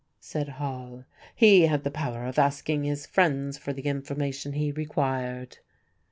said Hall; "he had the power of asking his friends for the information he required."